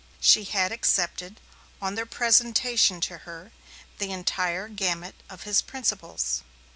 She had accepted, on their presentation to her, the entire gamut of his principles.